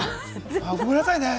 ごめんなさいね。